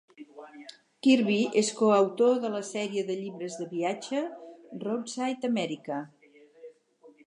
Kirby es coautor de la sèrie de llibres de viatge "Roadside America".